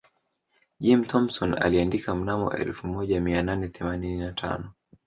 Jim Thompson aliandika mnamo elfu moja mia nane themanini na tano